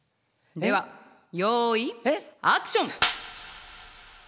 ではよいアクション！